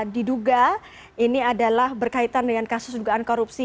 diduga ini adalah berkaitan dengan kasus dugaan korupsi